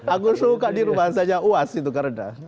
aku suka dirubah saja uas itu karena